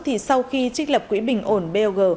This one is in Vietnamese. thì sau khi trích lập quỹ bình ổn blg